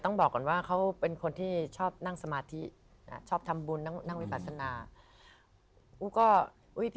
ต้องบอกก่อนว่าพี่ปูเหมือนเป็นคนที่ชอบนั่งสมาธิอยากทำบุญ